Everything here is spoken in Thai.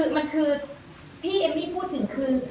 มันคือที่เอมมี่พูดถึงคือ